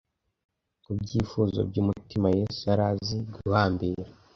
kubyifuzo byumutima yesu yari azi guhambira